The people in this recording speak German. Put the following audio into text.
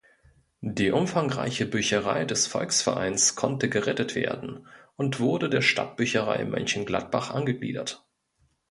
Die umfangreiche Bücherei des Volksvereins konnte gerettet werden und wurde der Stadtbücherei Mönchengladbach angegliedert.